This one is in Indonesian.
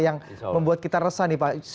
yang membuat kita resah nih pak